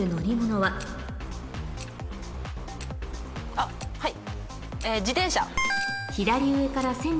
あっはい。